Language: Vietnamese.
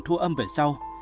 thu âm về sau